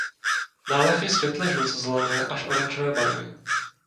Nálev je světle žlutozelené až oranžové barvy.